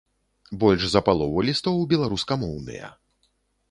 Больш за палову лістоў беларускамоўныя.